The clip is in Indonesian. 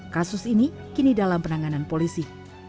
kasus ini kini dalam penanganan polisi